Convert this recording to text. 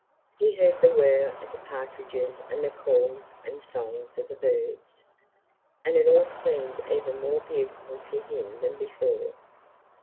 He heard the whir of the partridges and the calls and songs of the birds, and it all seemed even more beautiful to him than before.